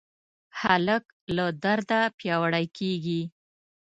هلک له درده پیاوړی کېږي.